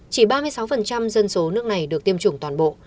chỉ ba mươi sáu dân số nước này được tiêm chủng toàn bộ